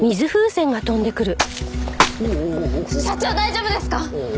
社長大丈夫ですか！？